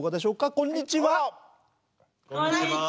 こんにちは！